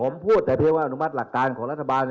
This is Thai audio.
ผมพูดแต่เพียงว่าอนุมัติหลักการของรัฐบาล